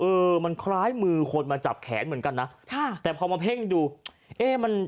เออมันคล้ายมือคนมาจับแขนเหมือนกันนะค่ะแต่พอมาเพ่งดูเอ๊ะมัน